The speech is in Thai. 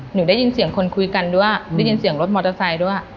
หนูได้ยินเสียงคนคุยกันด้วยได้ยินเสียงรถมอเตอร์ไซค์ด้วย